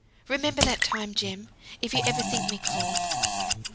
Remember that time, Jem, if ever you think me cold.